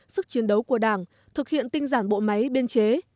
sức chiến đấu của đảng thực hiện tinh giản bộ máy biên chế